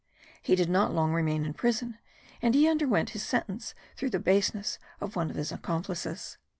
He did not long remain in prison, and he underwent his sentence through the baseness of one of his accomplices.